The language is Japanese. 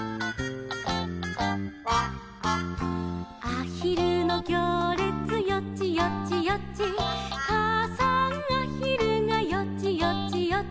「あひるのぎょうれつよちよちよち」「かあさんあひるがよちよちよち」